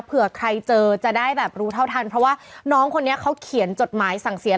เผื่อใครเจอจะได้แบบรู้เท่าทันเพราะว่าน้องคนนี้เขาเขียนจดหมายสั่งเสีย